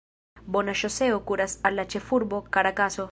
Bona ŝoseo kuras al la ĉefurbo Karakaso.